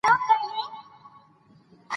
ژبه به د تالو سره ولګېږي.